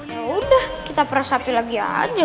yaudah kita peras api lagi aja